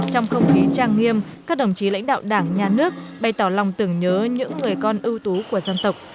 trong không khí trang nghiêm các đồng chí lãnh đạo đảng nhà nước bày tỏ lòng tưởng nhớ những người con ưu tú của dân tộc